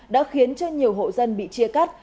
đã khiến cho nhiều hộ dân bị chia cắt